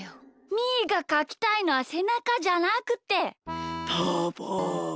みーがかきたいのはせなかじゃなくて。